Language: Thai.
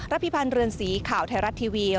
พิพันธ์เรือนสีข่าวไทยรัฐทีวี